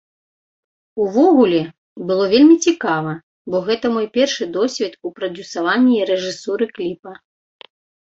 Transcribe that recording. Увогуле, было вельмі цікава, бо гэта мой першы досвед у прадзюсаванні і рэжысуры кліпа.